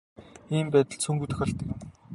Ийм байдал цөөнгүй тохиолддог юм.